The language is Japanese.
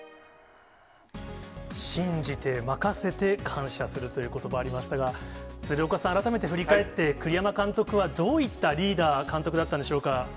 信じて、任せて、感謝するということばありましたが、鶴岡さん、改めて振り返って、栗山監督はどういったリーダー、監督だったんでしょうか。